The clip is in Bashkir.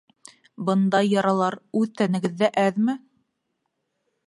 Бындай яралар үҙ тәнегеҙҙә әҙме?